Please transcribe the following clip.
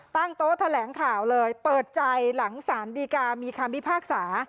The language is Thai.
ตั้งโต๊ะแถลงข่าวเลยเปิดใจหลังสารดีกามีคำพิพากษา